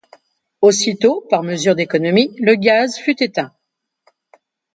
Aussitôt, par mesure d’économie, le gaz fut éteint.